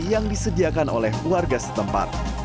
yang disediakan oleh warga setempat